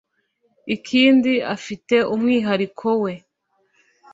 Ikindi afite umwihariko we